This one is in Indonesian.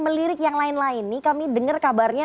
melirik yang lain lain nih kami dengar kabarnya